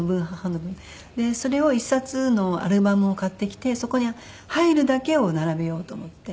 でそれを１冊のアルバムを買ってきてそこに入るだけを並べようと思って。